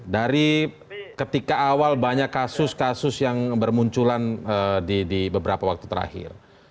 dari ketika awal banyak kasus kasus yang bermunculan di beberapa waktu terakhir